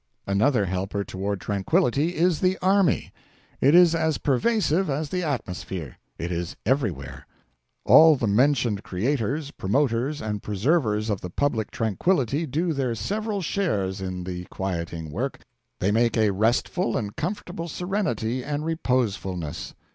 Another helper toward tranquillity is the army. It is as pervasive as the atmosphere. It is everywhere. All the mentioned creators, promoters, and preservers of the public tranquillity do their several shares in the quieting work. They make a restful and comfortable serenity and reposefulness.